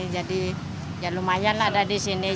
jadi ya lumayan ada di sini